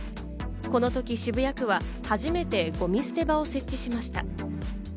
このとき渋谷区は初めてゴミ捨て場を設置しました。